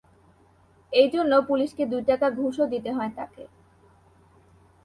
এই জন্য পুলিশকে দুই টাকা ঘুষও দিতে হয় তাঁকে।